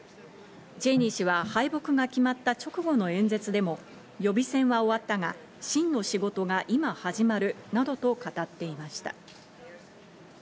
チェイニー氏は敗北が決まった直後の演説でも予備選は終わったが、真の仕事が今始まるなどと語っていました。